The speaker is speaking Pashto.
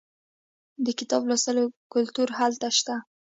د کتاب لوستلو کلتور هلته شته.